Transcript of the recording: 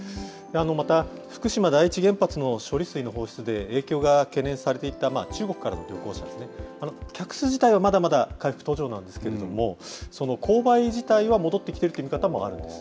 また、福島第一原発の処理水の放出で影響が懸念されていた、中国からの旅行者ですね、客数自体はまだまだ回復途上なんですけれども、購買自体は戻ってきているという見方もあるんです。